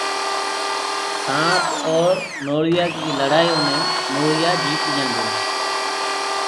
سآنٚپ اور نوݪِيآ ڪيٚ لڙآيو مي نوݪِيآ جيت جانٚدو هي